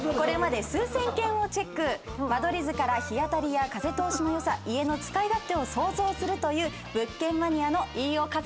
間取り図から日当たりや風通しの良さ家の使い勝手を想像するという物件マニアの飯尾和樹さんです。